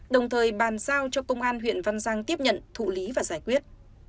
đồng thời bàn giao cho công an huyện văn giang tiếp nhận thụ lý và giải quyết